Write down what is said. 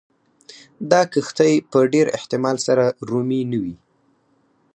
دا کښتۍ په ډېر احتمال سره رومي نه وې